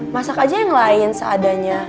masak aja yang lain seadanya